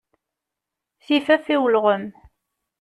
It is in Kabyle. Tifaf i ulɣem.